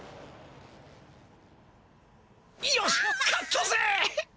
よし勝ったぜ！